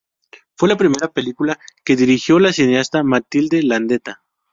Fue la primera película que dirigió la cineasta Matilde Landeta.